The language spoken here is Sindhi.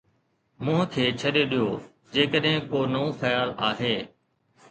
منهن کي ڇڏي ڏيو جيڪڏهن ڪو نئون خيال آهي.